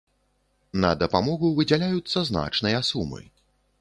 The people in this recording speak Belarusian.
На дапамогу выдзяляюцца значныя сумы.